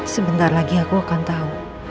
sebentar lagi aku akan tahu